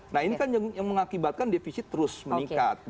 nah ini kan yang mengakibatkan defisit terus meningkat